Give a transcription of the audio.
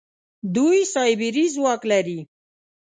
دوی سايبري ځواک لري.